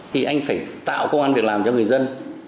thì anh phải tạo công an việc làm cho người dân